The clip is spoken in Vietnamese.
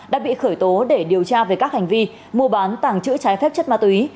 đã bị khởi tố để điều tra về các hành vi mua bán tàng trữ trái phép chất ma túy